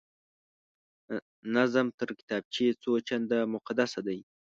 نظم تر کتابچې څو چنده مقدسه دی